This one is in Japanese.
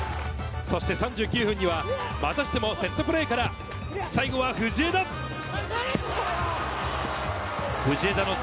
そして３９分にはまたしてもセットプレーから最後は藤枝。